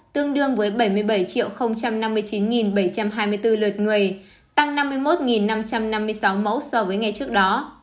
tương đương với bảy mươi bảy năm mươi chín bảy trăm hai mươi bốn lượt người tăng năm mươi một năm trăm năm mươi sáu mẫu so với ngày trước đó